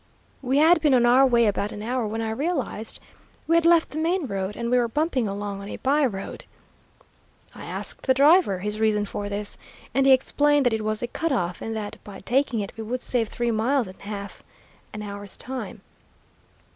We had been on our way about an hour when I realized we had left the main road and were bumping along on a by road. I asked the driver his reason for this, and he explained that it was a cut off, and that by taking it we would save three miles and half an hour's time.